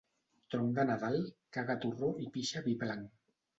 Tronc de Nadal, caga torró i pixa vi blanc.